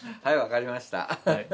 はいわかりました。